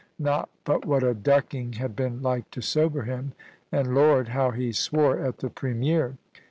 Not but what a ducking had been like to sober him ; and Lord, how he swore at the Premier